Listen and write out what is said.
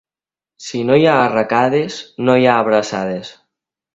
Si no hi ha arracades, no hi ha abraçades.